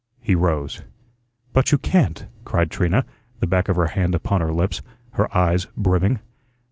He rose. "But you can't," cried Trina, the back of her hand upon her lips, her eyes brimming.